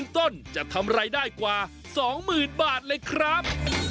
ต้นจะทำรายได้กว่า๒๐๐๐บาทเลยครับ